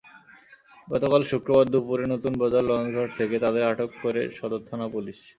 গতকাল শুক্রবার দুপুরে নতুন বাজার লঞ্চঘাট থেকে তাঁদের আটক করে সদর থানা-পুলিশ।